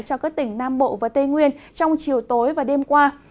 cho các tỉnh nam bộ và tây nguyên trong chiều tối và đêm qua